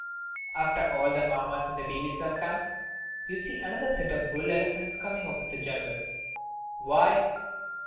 After all the Mammas and babies have come, you see another set of bull elephants coming out of the jungle. Why?